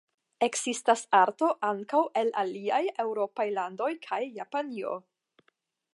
Ekzistas arto ankaŭ el aliaj eŭropaj landoj kaj Japanio.